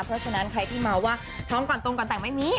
เพราะฉะนั้นใครที่เมาส์ว่าท้องก่อนตรงก่อนแต่งไม่มี